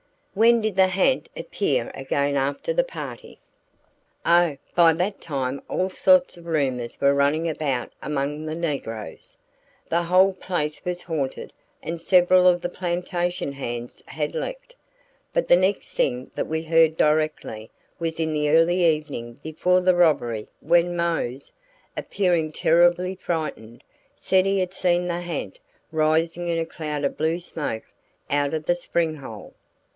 "When did the ha'nt appear again after the party?" "Oh, by that time all sorts of rumors were running about among the negroes. The whole place was haunted and several of the plantation hands had left. But the next thing that we heard directly was in the early evening before the robbery when Mose, appearing terribly frightened, said he had seen the ha'nt rising in a cloud of blue smoke out of the spring hole."